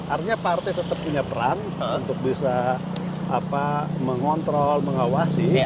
artinya partai tetap punya peran untuk bisa mengontrol mengawasi